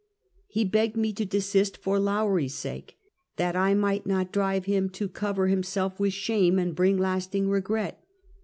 He begged me to desist for Lowrie's sake, tbat I migbt not drive bim to cover liimself witb sbame, and bring lasting regret.